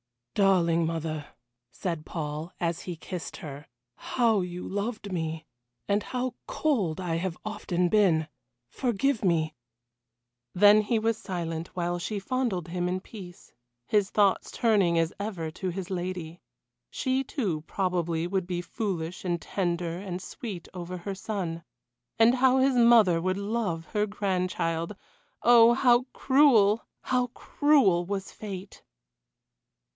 "Darling mother," said Paul, as he kissed her, "how you loved me. And how cold I have often been. Forgive me " Then he was silent while she fondled him in peace, his thoughts turning as ever to his lady. She, too, probably, would be foolish, and tender, and sweet over her son and how his mother would love her grandchild. Oh! how cruel, how cruel was fate!